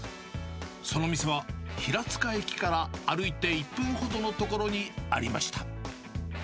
その店は、平塚駅から歩いて１分ほどの所にありました。